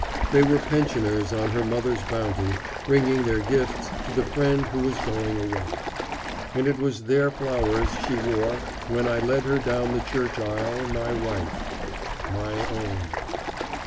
They were pensioners on her mother's bounty, bringing their gifts to the friend who was going away. And it was their flowers she wore when I led her down the church aisle my wife, my own.